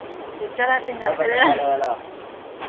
Euskaraz zein gazteleraz egiten ditu abestiak.